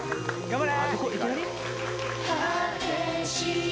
頑張れ！